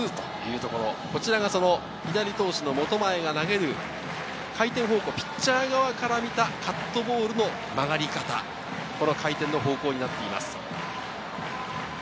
左投手の本前が投げる回転方向、ピッチャー側からみたカットボールの曲がり方、回転の方向になっています。